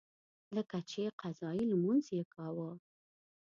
لکه چې قضایي لمونځ یې کاوه.